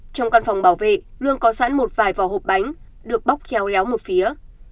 trong căn phòng bảo vệ luôn có sẵn một vài vò hộp bánh được bóc kéo léo một phía